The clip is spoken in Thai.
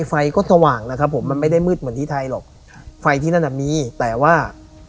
ไฟก็สว่างนะครับผมมันไม่ได้มืดเหมือนที่ไทยหรอกไฟที่นั่นอ่ะมีแต่ว่า